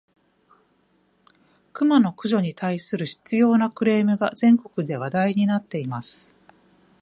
クマの駆除に対する執拗（しつよう）なクレームが、全国で問題になっています。